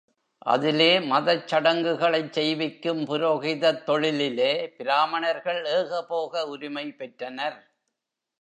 அதிலே மதச் சடங்குகளைச் செய்விக்கும் புரோகிதத் தொழிலிலே, பிராமணர்கள் ஏகபோக உரிமை பெற்றனர்.